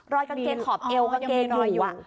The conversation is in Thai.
กางเกงขอบเอวกางเกงอยู่